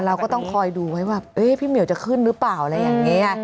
เราก็ต้องคอยดูไว้แบบพี่เหมียวจะขึ้นหรือเปล่าอะไรอย่างนี้